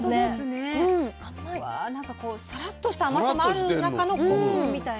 うわなんかこうサラッとした甘さもある中のコクみたいな。